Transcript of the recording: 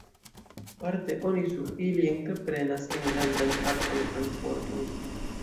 Parte oni sur ili entreprenas enlandan akvan transporton.